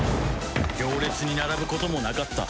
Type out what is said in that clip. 行列に並ぶこともなかった。